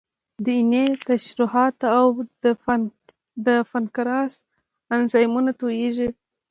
د ینې ترشحات او د پانکراس انزایمونه تویېږي.